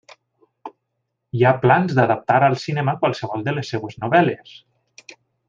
Hi ha plans d'adaptar al cinema qualsevol de les seves novel·les.